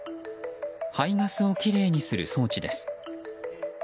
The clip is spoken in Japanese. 排ガスをきれいにする装置です。